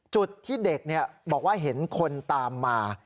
จุดที่เด็กบอกว่าเห็นคนตามมา